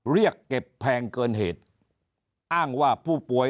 เรียกเก็บแพงเกินเหตุอ้างว่าผู้ป่วย